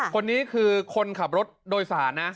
คนนี้คือคนขับรถโดยสารนะ